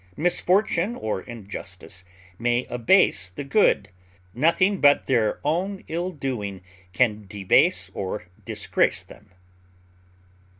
Misfortune or injustice may abase the good; nothing but their own ill doing can debase or disgrace them.